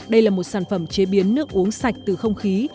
đây là một sản phẩm chế biến nước uống sạch từ không khí